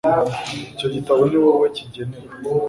icyo gitabo ni wowe kigenewe